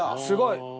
すごい。